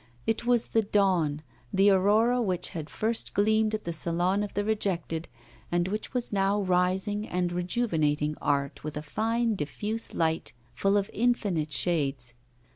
It was the dawn, the aurora which had first gleamed at the Salon of the Rejected, and which was now rising and rejuvenating art with a fine, diffuse light, full of infinite shades.